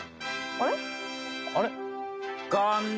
あれ？